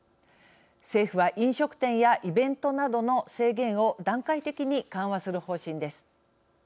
政府は、飲食店やイベントなどの制限を段階的に緩和する方針です。